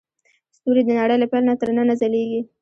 ستوري د نړۍ له پیل نه تر ننه ځلېږي.